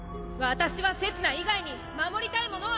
私はせつな以外に護りたいものは。